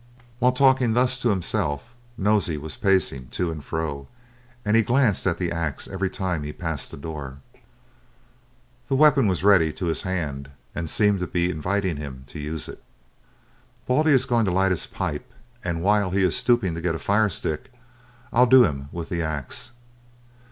While talking thus to himself, Nosey was pacing to and fro, and he glanced at the axe every time he passed the door. The weapon was ready to his hand, and seemed to be inviting him to use it. "Baldy is going to light his pipe, and while he is stooping to get a firestick, I'll do him with the axe."